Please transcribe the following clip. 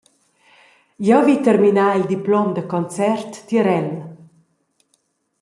«Jeu vi terminar il diplom da concert tier el.